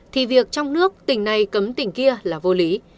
thì việc trong nước tỉnh này cấm tỉnh kia là vô lý